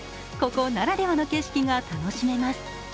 ここならではの景色が楽しめます。